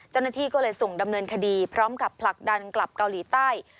เจ้าหน้าที่ก็เลยส่งดำเนินคดีพร้อมกับผลักดันกลับเกาหลีใต้